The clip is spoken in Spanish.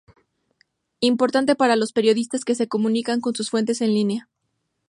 importante para los periodistas que se comunican con sus fuentes en línea